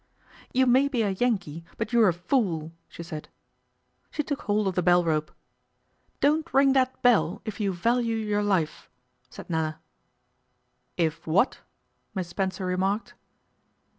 'You may be a Yankee, but you're a fool,' she said. She took hold of the bell rope. 'Don't ring that bell if you value your life,' said Nella. 'If what?' Miss Spencer remarked.